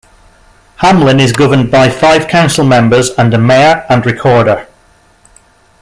Hamlin is governed by five council members and a mayor and recorder.